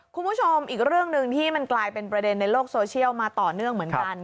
คุณผู้ชมอีกเรื่องหนึ่งที่มันกลายเป็นประเด็นในโลกโซเชียลมาต่อเนื่องเหมือนกัน